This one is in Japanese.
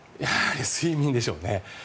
睡眠でしょうね。